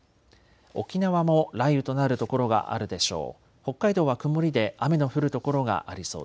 沖縄も雷雨となる所があるでしょう。